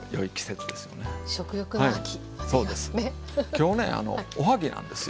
今日ねおはぎなんですよ。